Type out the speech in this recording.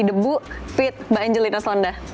debu fit mbak angelina selanda